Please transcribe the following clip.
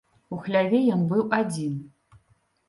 У хляве ён быў адзін.